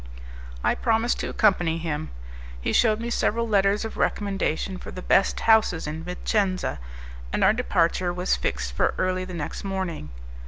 I promised to accompany him. He shewed me several letters of recommendation for the best houses in Vicenza, and our departure was fixed for early the next morning.